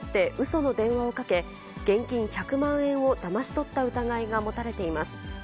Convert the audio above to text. その電話をかけ、現金１００万円をだまし取った疑いが持たれています。